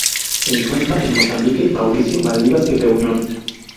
Se encuentra en Mozambique, Mauricio, Maldivas y Reunión.